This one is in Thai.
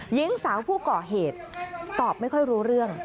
หญิงสาวผู้ก่อเหตุตอบไม่ค่อยรู้เรื่อง